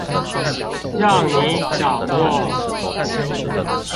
讓你掌握